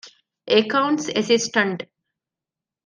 އެކައުންޓްސް އެސިސްޓަންޓް